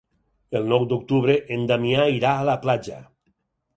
El nou d'octubre en Damià irà a la platja.